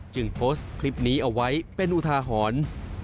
โพสต์คลิปนี้เอาไว้เป็นอุทาหรณ์